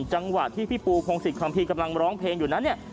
จังหวะที่พี่ปูพงศิษยคัมภีร์กำลังร้องเพลงอยู่นั้นเนี่ย